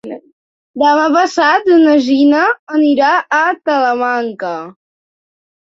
Demà passat na Gina anirà a Talamanca.